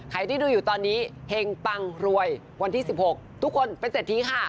ใครที่ดูอยู่ตอนนี้เห็งปังรวยวันที่๑๖ทุกคนเป็นเศรษฐีค่ะ